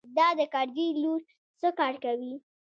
دا د کرزي لور څه کار کوي.